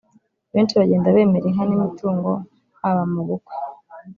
Benshi bagenda bemera inka n’imitungo haba mu bukwe